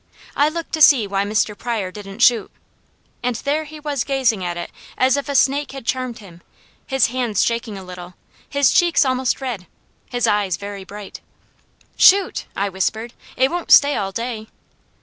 I looked to see why Mr. Pryor didn't shoot, and there he was gazing at it as if a snake had charmed him; his hands shaking a little, his cheeks almost red, his eyes very bright. "Shoot!" I whispered. "It won't stay all day!"